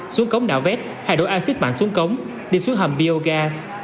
xuống cống đảo vét hay đổi axit mạng xuống cống đi xuống hầm biogas